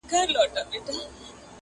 غړومبهارى د ټوپكو د توپو سو؛